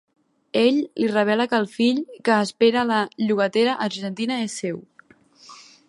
Ell li revela que el fill que espera la llogatera argentina és seu.